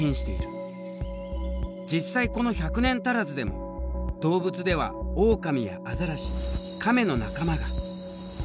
実際この１００年足らずでも動物ではオオカミやアザラシカメの仲間が。